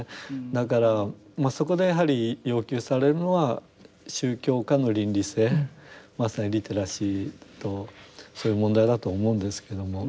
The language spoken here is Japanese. だからそこでやはり要求されるのは宗教家の倫理性まさにリテラシーとそういう問題だと思うんですけども。